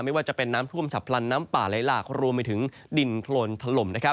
ไม่ว่าจะเป็นน้ำท่วมฉับพลันน้ำป่าไหลหลากรวมไปถึงดินโครนถล่ม